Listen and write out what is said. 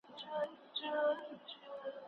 نه مو مڼه خوړلې ،